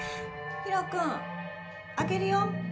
ヒロくん開けるよ。